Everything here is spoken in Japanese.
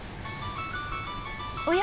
おや？